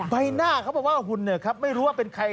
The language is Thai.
ใบหน้าเขาบอกว่าหุ่นเนี่ยครับไม่รู้ว่าเป็นใคร